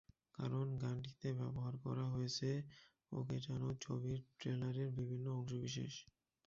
কারণ, গানটিতে ব্যবহার করা হয়েছে ওকে জানু ছবির ট্রেলারের বিভিন্ন অংশবিশেষ।